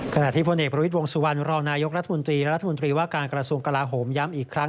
ขณะที่พลเอกประวิทย์วงสุวรรณรองนายกรัฐมนตรีและรัฐมนตรีว่าการกระทรวงกลาโหมย้ำอีกครั้ง